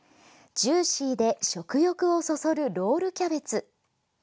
ジューシーで食欲をそそるロールキャベツ。